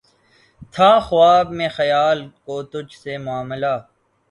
تھا خواب میں خیال کو تجھ سے معاملہ